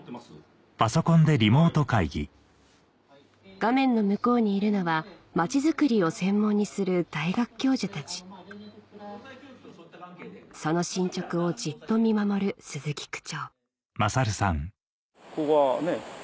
画面の向こうにいるのは町づくりを専門にする大学教授たちその進捗をじっと見守る鈴木区長